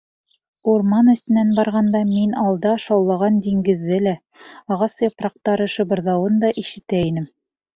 Урман эсенән барғанда мин алда шаулаған диңгеҙҙе лә, ағас япраҡтары шыбырҙауын да ишетә инем.